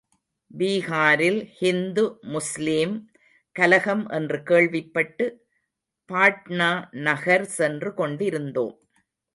பீஹாரில் ஹிந்து முஸ்லீம் கலகம் என்று கேள்விப்பட்டு பாட்னா நகர் சென்று கொண்டிருந்தோம்.